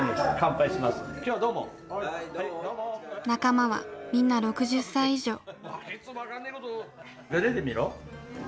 仲間はみんな６０歳以上。